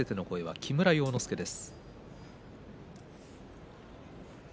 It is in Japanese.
木村要之助の声です。